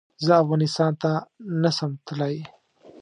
زه افغانستان ته نه سم تلی